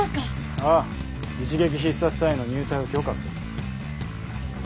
ああ一撃必殺隊への入隊を許可する。